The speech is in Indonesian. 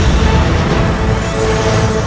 dari luar cat se month